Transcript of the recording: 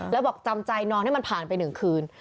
แล้วบอกจำใจนอนให้มันผ่านไป๑คืน